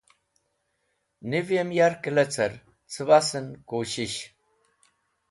Niv yem yarkẽ lecẽr cẽbasẽn kushish.